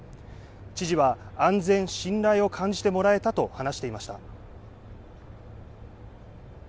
知事は安全、信頼を感じてもらえたと話していました。